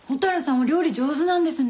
お料理上手なんですね。